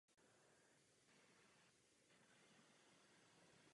Jsou však součástí všeobjímající ambice vytvořit Spojené státy evropské.